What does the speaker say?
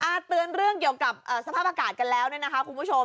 อ่าเตือนเรื่องเกี่ยวกับสภาพอากาศกันแล้วนะครับคุณผู้ชม